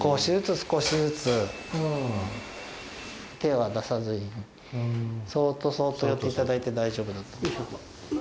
手は出さずにそっとそっと寄っていただいて大丈夫だと。